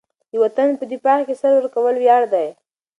د وطن په دفاع کې سر ورکول ویاړ دی.